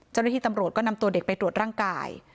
เจ้าหน้าที่ตำรวจก็นำตัวเด็กไปตรวจร่างกาย